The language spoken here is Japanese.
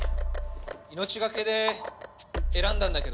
命懸けで選んだんだけど。